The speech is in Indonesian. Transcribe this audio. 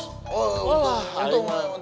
oh untung untung mah